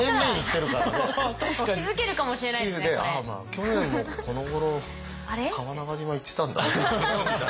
去年もこのごろ川中島行ってたんだ。